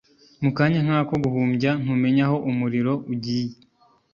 mu kanya nk’ako guhumbya ntumenya aho umuriro ugiye